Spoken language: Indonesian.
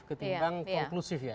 ketimbang konklusif ya